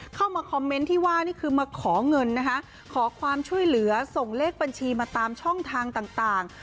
เข้ามาคอมเมนต์ที่ว่านี่คือมาขอเงินนะคะขอความช่วยเหลือส่งเลขบัญชีมาตามช่องทางต่าง